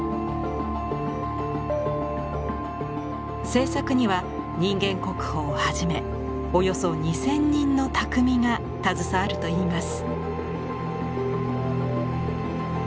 制作には人間国宝をはじめおよそ２，０００人の匠が携わるといいます。